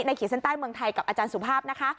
ขีดเส้นใต้เมืองไทยกับอาจารย์สุภาพนะคะ